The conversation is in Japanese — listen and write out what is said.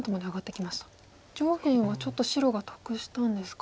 上辺はちょっと白が得したんですか。